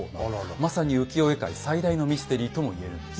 まさに浮世絵界最大のミステリーとも言えるんです。